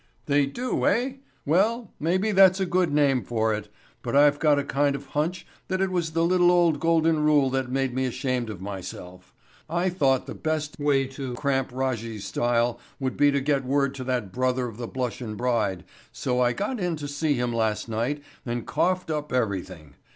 "They do, eh? Well, maybe that's a good name for it, but I've got a kind of a hunch that it was the little old Golden Rule that made me ashamed of myself. I thought the best of cramp Rajjy's style would be to get word to that brother of the blushin' bride so I got in to see him last night and coughed up everything.